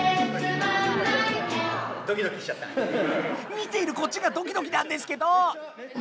見ているこっちがドキドキなんですけど！